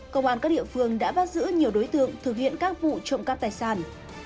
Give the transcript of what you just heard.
công an các địa phương đã bắt giữ nhiều đối tượng thực hiện các vụ trộm cắp tài sản